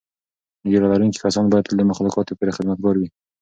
ږیره لرونکي کسان باید تل د مخلوقاتو پوره خدمتګار وي.